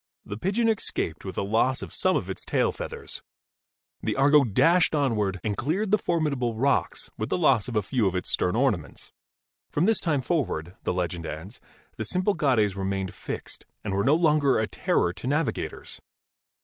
The pigeon escaped with the loss of some of its tail feathers. The Argo dashed onward and cleared the formidable rocks with the loss of a few of its stern orna Fig. 2 — The 'Argo,' from an Ancient Bas relief. ments. From this time forward, the legend adds, the Symplegades remained fixed and were no longer a terror to navigators.